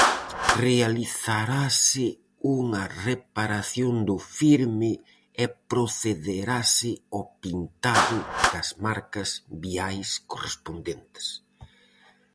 Realizarase unha reparación do firme e procederase ao pintado das marcas viais correspondentes.